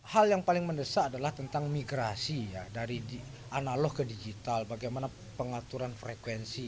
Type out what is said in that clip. hal yang paling mendesak adalah tentang migrasi ya dari analog ke digital bagaimana pengaturan frekuensi